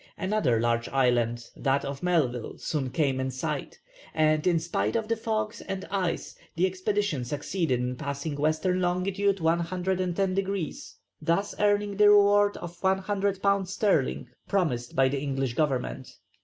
Another large island, that of Melville, soon came in sight, and in spite of the fogs and ice the expedition succeeded in passing W. long. 110 degrees, thus earning the reward of 100_l_. sterling promised by the English Government.